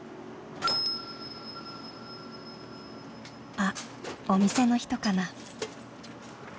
あっお店の人かな？